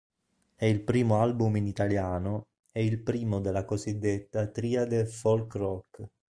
È il primo album in italiano, e il primo della cosiddetta "triade folk rock".